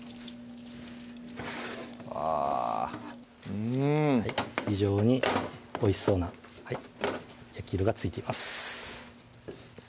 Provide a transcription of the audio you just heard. うん非常においしそうな焼き色がついています